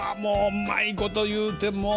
うまいこと言うてもう。